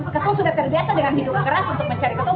ketul sudah terbiasa dengan hidup keras untuk mencari ketul